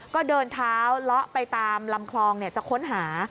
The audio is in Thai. ก็เดินเท้าเลาะไปตามลำคลองจะค้นหา